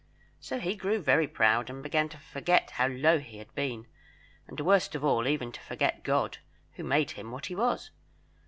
So he grew very proud, and began to forget how low he had been, and worst of all, even to forget God, who had made him what he was.